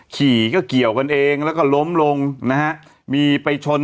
ขี่ก็เกี่ยวกันเองแล้วก็ล้มลงนะฮะมีไปชน